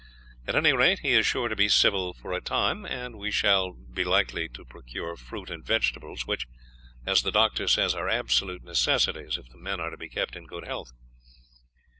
At any rate, he is sure to be civil for a time, and we shall be likely to procure fruit and vegetables, which, as the doctor says, are absolute necessities if the men are to be kept in good health."